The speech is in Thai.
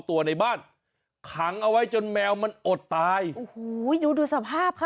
ตัวในบ้านขังเอาไว้จนแมวมันอดตายโอ้โหดูดูสภาพค่ะ